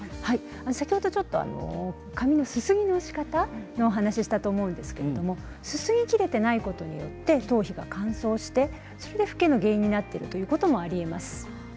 先ほど、ちょっと髪のすすぎのしかた説明したと思うんですがすすぎきれていないことがあって頭皮が乾燥して、フケの原因になっていることもありえます。